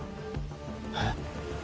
えっ？